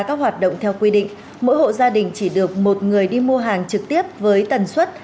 các hoạt động theo quy định mỗi hộ gia đình chỉ được một người đi mua hàng trực tiếp với tần suất